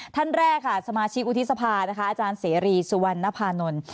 ท่านแรกค่ะสมาชิกอุทิศภานะคะอาจารย์เสรีสุวรรณภานนท์